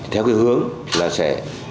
theo hướng là sẽ